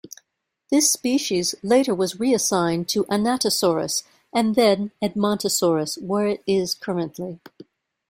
This species later was reassigned to "Anatosaurus" and then "Edmontosaurus", where it is currently.